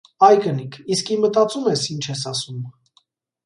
- Ա՛յ կնիկ, իսկի մտածում ե՞ս ինչ ես ասում.